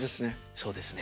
そうですね。